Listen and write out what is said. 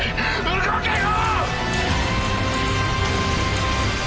動けよ！